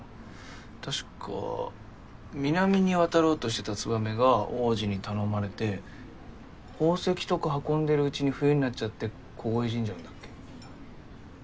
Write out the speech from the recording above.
確か南に渡ろうとしてたつばめが王子に頼まれて宝石とか運んでるうちに冬になっちゃって凍え死んじゃうんだっけ？